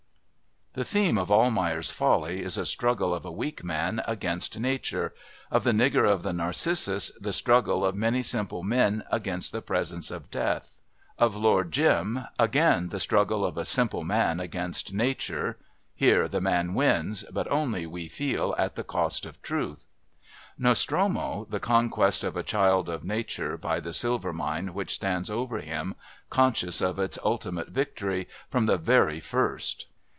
The theme of Almayer's Folly is a struggle of a weak man against nature, of The Nigger of the Narcissus the struggle of many simple men against the presence of death, of Lord Jim, again, the struggle of a simple man against nature (here the man wins, but only, we feel, at the cost of truth). Nostromo, the conquest of a child of nature by the silver mine which stands over him, conscious of its ultimate victory, from the very first.